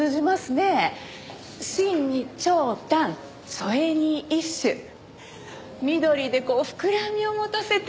真に長短副に一種緑でこう膨らみを持たせて。